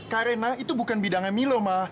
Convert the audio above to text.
karena itu bukan bidangnya milo ma